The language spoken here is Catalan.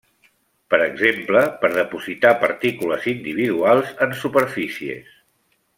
Per exemple, per depositar partícules individuals en superfícies.